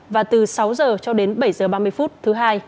và từ sáu h cho đến bảy h ba mươi phút thứ hai